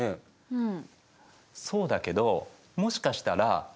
うん。